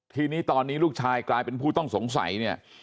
ทีนี้ตอนนี้ลูกชายกลายเป็นผู้ต้องสงสัยเนี่ย